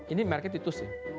ini market titus ya